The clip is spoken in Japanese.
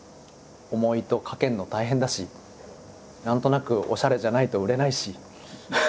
重いとかけるの大変だし何となくおしゃれじゃないと売れないし。